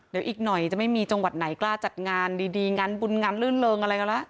เดี๋ยวอีกหน่อยจะไม่มีจังหวัดไหนกล้าจัดงานดีงานบุญงานลื่นเริงอะไรกันแล้ว